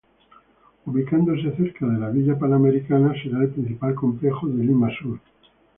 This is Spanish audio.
Ubicándose cerca a la Villa Panamericana, será el principal complejo de Lima Sur.